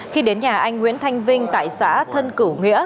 khi đến nhà anh nguyễn thanh vinh tại xã thân cửu nghĩa